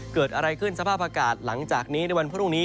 เกิดอะไรขึ้นสภาพอากาศหลังจากนี้ในวันพรุ่งนี้